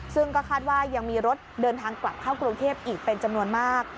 ซึ่งก็คาดว่ายังมีรถเดินทางกลับเข้ากรุงเทพอีกเป็นจำนวนมาก